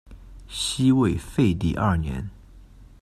西魏废帝二年。